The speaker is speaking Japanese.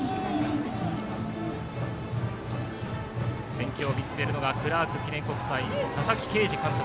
戦況を見つめるのがクラーク記念国際佐々木啓司監督。